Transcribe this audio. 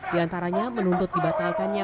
di antaranya menuntut dibatalkannya